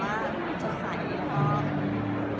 อัมคงจะตลกมาก